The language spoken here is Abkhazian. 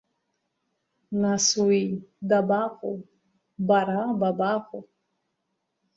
Нас уи дабаҟоу, бара бабаҟоу?